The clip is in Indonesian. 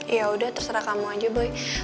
yaudah terserah kamu aja boy